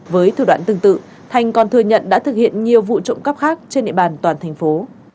với thủ đoạn tương tự thành còn thừa nhận đã thực hiện nhiều vụ trộm cắp khác trên địa bàn toàn thành phố